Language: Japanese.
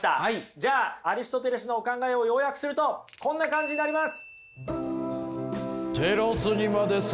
じゃあアリストテレスのお考えを要約するとこんな感じになります。